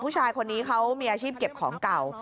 ผู้ชายคนนี้เขามีอาชีพเก็บของเก่า